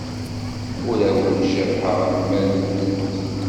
Ur awent-jerrḥeɣ lmal-nwent.